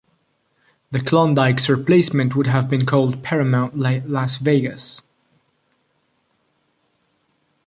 The Klondike's replacement would have been called Paramount Las Vegas.